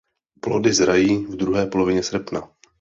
Plody zrají v druhé polovině srpna.